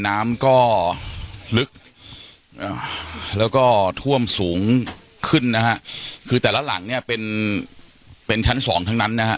น้ำก็ลึกแล้วก็ท่วมสูงขึ้นนะฮะคือแต่ละหลังเนี่ยเป็นเป็นชั้นสองทั้งนั้นนะฮะ